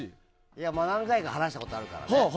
何回か話したことあるからね。